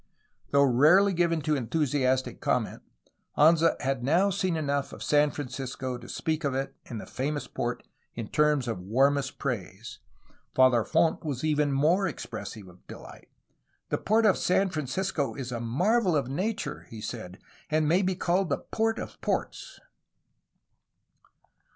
Though rarely given to enthusiastic comment, Anza had now seen enough of San Francisco to speak of it and the famous port in terms of warmest praise. Father Font was even more expressive of his delight. "The port of San Francisco is a marvel of nature," he said, "and may be called the port of ports."